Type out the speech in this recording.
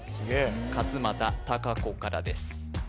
勝間田貴子からです